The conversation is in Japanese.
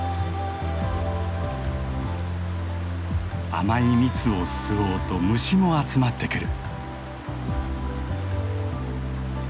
甘い蜜を吸おうと虫も集まってくる。